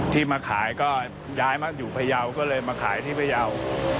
ที่มาขายก็ย้ายมาอยู่พยาวก็เลยมาขายที่พยาว